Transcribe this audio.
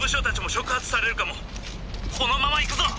このまま行くぞ！」。